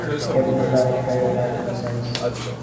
Kevin and Lauren Paffrath have two sons.